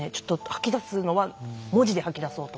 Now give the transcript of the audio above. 吐き出すのは文字で吐き出そうと思って。